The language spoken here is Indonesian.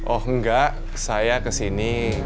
oh enggak saya kesini